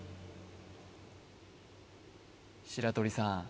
白鳥さん